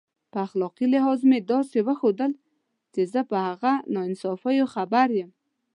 په اخلاقي لحاظ مې داسې وښودل چې زه په هغه ناانصافیو خبر یم.